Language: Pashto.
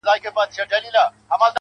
o دښایستونو خدایه اور ته به مي سم نیسې.